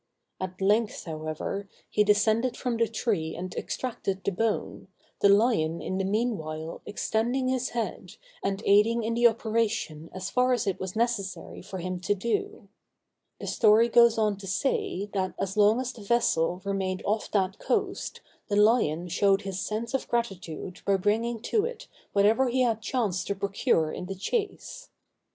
At length, however, he descended from the tree and extracted the bone, the lion in the mean while extending his head, and aiding in the operation as far as it was necessary for him to do. The story goes on to say, that as long as the vessel remained off that coast, the lion showed his sense of gratitude by bringing to it whatever he had chanced to procure in the chase.